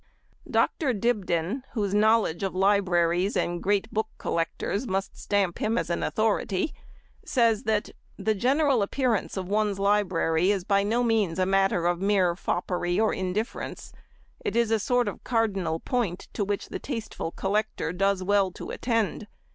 Dr. Dibdin, whose knowledge of libraries and great book collectors must stamp him as an authority, says that:— "The general appearance of one's library is by no means a matter of mere foppery or indifference: it is a sort of cardinal point, to which the tasteful collector does well to attend.